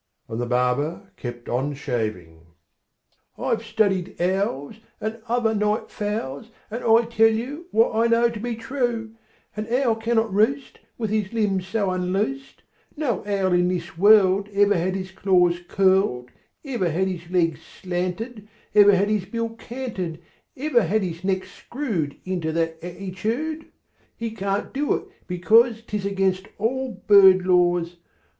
And the barber kept on shaving. "I've studied owls, And other night fowls, And I tell you What I know to be true: An owl cannot roost With his limbs so unloosed; No owl in this world Ever had his claws curled, Ever had his legs slanted, Ever had his bill canted, Ever had his neck screwed Into that attitude. He can't do it, because 'T is against all bird laws.